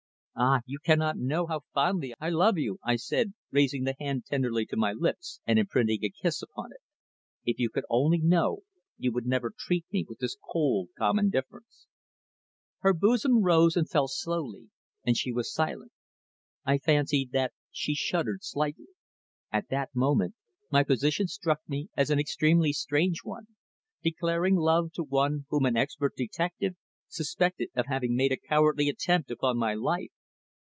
Ah! you cannot know how fondly I love you," I said, raising the hand tenderly to my lips and imprinting a kiss upon it. "If you could only know you would never treat me with this cold, calm indifference." Her bosom rose and fell slowly, and she was silent. I fancied that she shuddered slightly. At that moment my position struck me as an extremely strange one, declaring love to one whom an expert detective suspected of having made a cowardly attempt upon my life.